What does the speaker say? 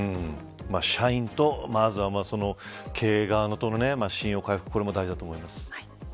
社員とまずは経営側との信用回復、これも大事だと思います。